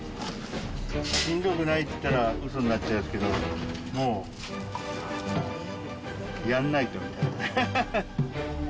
しんどくないって言ったらうそになっちゃいますけど、もう、やんないとみたいな。